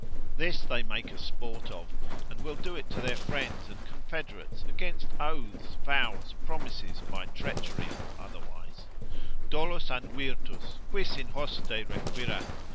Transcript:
This they make a sport of, and will do it to their friends and confederates, against oaths, vows, promises, by treachery or otherwise; —dolus an virtus? quis in hoste requirat?